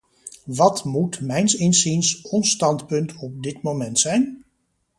Wat moet mijns inziens ons standpunt op dit moment zijn?